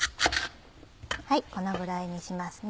このぐらいにしますね。